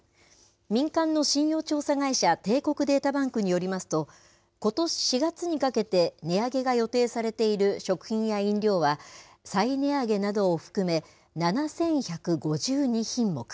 民間の信用調査会社、帝国データバンクによりますと、ことし４月にかけて、値上げが予定されている食品や飲料は、再値上げなどを含め、７１５２品目。